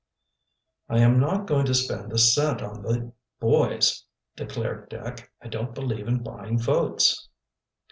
"I am not going to spend a cent on the boys," declared Dick. "I don't believe in buying votes."